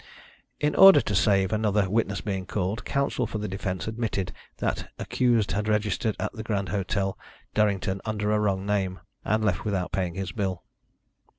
In order to save another witness being called, Counsel for the defence admitted that accused had registered at the Grand Hotel, Durrington, under a wrong name, and left without paying his bill.